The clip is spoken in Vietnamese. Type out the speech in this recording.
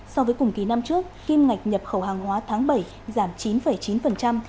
so với cùng kỳ năm trước kim ngạch nhập khẩu hàng hóa tháng bảy giảm chín chín